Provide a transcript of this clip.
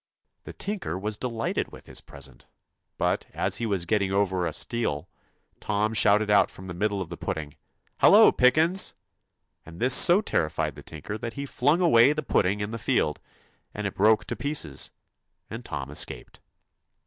The tinker was delighted with his present ; but as he was getting over a stile, Tom shouted out from the middle of the pudding, 'Hallo, Pickins!' and this so terrified the tinker that he flung away the pudding in the field, and it broke to pieces, and Tom escaped.